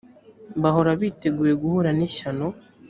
bahora biteguye guhura n’ishyano